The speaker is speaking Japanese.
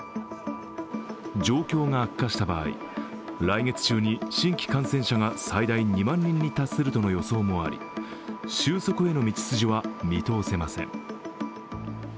状況が悪化した場合、来月中に新規感染者が最大２万人に達するとの予想もあり収束への道筋は見通せません。